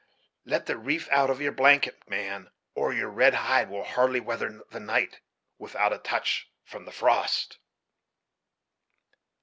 Let the reef out of your blanket, man, or your red hide will hardly weather the night with out a touch from the frost."